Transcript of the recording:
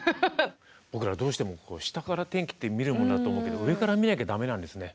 僕らどうしても下から天気って見るもんだと思うけど上から見なきゃ駄目なんですね。